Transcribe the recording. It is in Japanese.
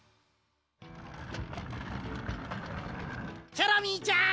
チョロミーちゃん！